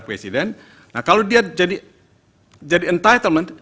presiden kalau dia jadi entitlement